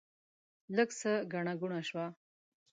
لږ څه ګڼه ګوڼه شوه.